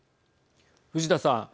藤田さん。